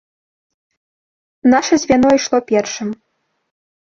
Наша звяно ішло першым.